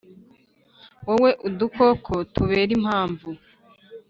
wowe udukoko tubera impamvu